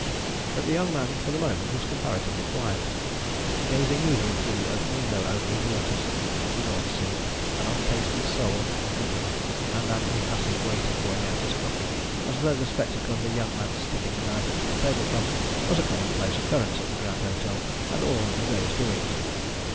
But the young man, for the moment, was comparatively quiet, gazing moodily through the open window over the waters of the North Sea, an untasted sole in front of him, and an impassive waiter pouring out his coffee as though the spectacle of a young man sticking a knife into the table cloth was a commonplace occurrence at the Grand Hotel, and all in the day's doings.